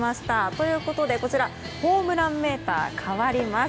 ということで、こちらホームランメーター変わります。